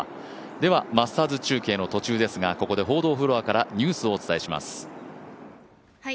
では、マスターズ中継の途中ですがここで報道フロアからニュースをお伝えします。